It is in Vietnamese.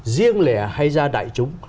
riêng lẻ hay ra đại chúng